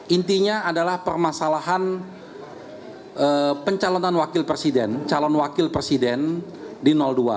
intinya adalah permasalahan pencalonan wakil presiden calon wakil presiden di dua